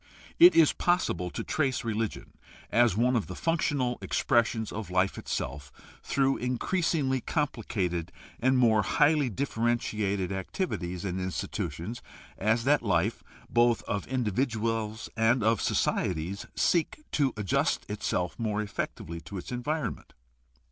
It is possible to trace religion, as one of the functional expressions of life itself, through increasingly complicated and more highly differ entiated activities and institutions, as that life, both of indi viduals and of societies, seeks to adjust itself more effectively to its environment.